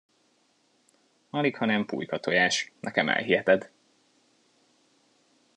Alighanem pulykatojás, nekem elhiheted!